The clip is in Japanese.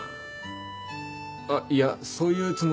あっいやそういうつもりじゃ。